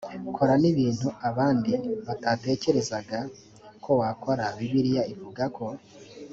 kora n ibintu abandi batatekerezaga ko wakora bibiliya ivuga ko